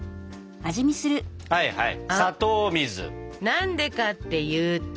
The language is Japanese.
何でかっていうと。